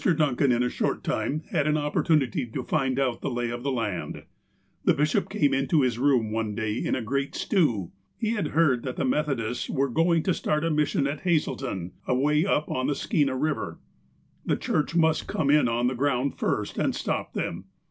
Duncan in a short time had an opportunity to find out the lay of the land. The bishop came into his room one day in a great stew. He had heard that the Methodists were going to start a mission at Hazelton, away up on the Skeena Eiver. The ''Church" must come in on the ground first and stop them.